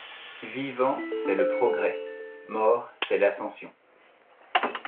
Vivants, c’est le progrès ; morts, c’est l’ascension.